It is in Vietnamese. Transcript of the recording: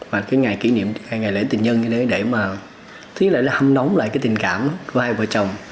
và cái ngày kỷ niệm ngày lễ tình nhân như thế để mà hâm nóng lại cái tình cảm của hai vợ chồng